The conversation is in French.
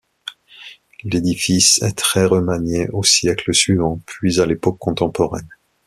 L'édifice est très remanié au siècle suivant, puis à l'époque contemporaine.